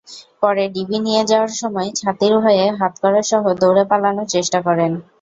পরে ডিবি নিয়ে যাওয়ার সময় ছাতির ভয়ে হাতকড়াসহ দৌড়ে পালানোর চেষ্টা করেন।